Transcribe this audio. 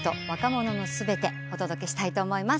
お届けしたいと思います。